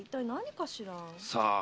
さあ？